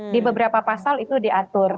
di beberapa pasal itu diatur